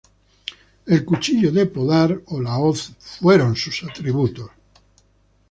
El cuchillo de podar, o la hoz, fueron sus atributos.